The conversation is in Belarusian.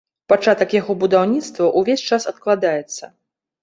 Пачатак яго будаўніцтва увесь час адкладаецца.